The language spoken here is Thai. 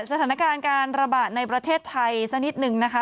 สถานการณ์การระบาดในประเทศไทยสักนิดนึงนะคะ